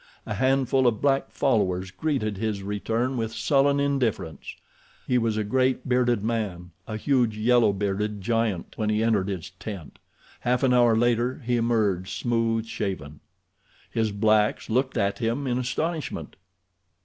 A handful of black followers greeted his return with sullen indifference. He was a great bearded man, a huge, yellow bearded giant, when he entered his tent. Half an hour later he emerged smooth shaven. His blacks looked at him in astonishment.